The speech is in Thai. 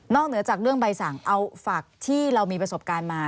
เหนือจากเรื่องใบสั่งเอาฝากที่เรามีประสบการณ์มา